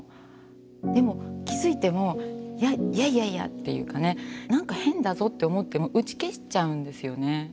でも気付いても「いやいやいや」っていうかねなんか変だぞって思っても打ち消しちゃうんですよね。